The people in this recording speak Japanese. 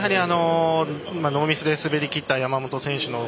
ノーミスで滑り切った山本選手。